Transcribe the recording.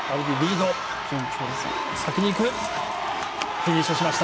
フィニッシュしました。